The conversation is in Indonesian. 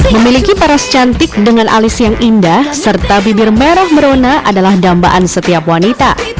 memiliki paras cantik dengan alis yang indah serta bibir merah merona adalah dambaan setiap wanita